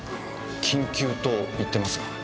緊急と言ってますが。